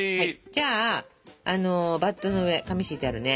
じゃあバットの上紙敷いてあるね。